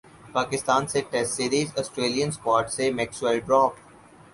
پاکستان سے test series Australian squad سے Maxwell drop